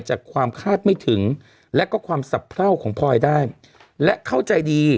จากความคาดไม่ถึงและก็ความสะเพราของพลอยได้และเข้าใจดี